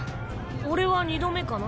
俺は２度目かな。